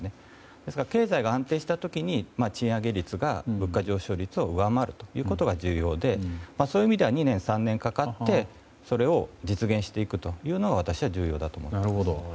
ですから経済が安定した時に賃上げ率が物価上昇率を上回るということが重要でそういう意味では２年、３年かかってそれを実現していくというのが私は重要だと思っています。